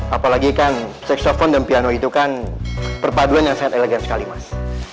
apalagi kan seksofon dan piano itu kan perpaduan yang sangat elegan sekali mas